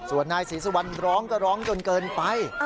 ส่วนนายศรีสุวรรณร้องก็ร้องจนเกินไป